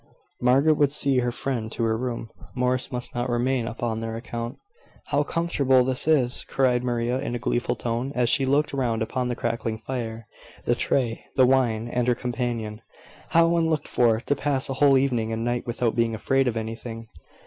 Margaret would see her friend to her room. Morris must not remain up on their account. "How comfortable this is!" cried Maria, in a gleeful tone, as she looked round upon the crackling fire, the tray, the wine, and her companion. "How unlooked for, to pass a whole evening and night without being afraid of anything!"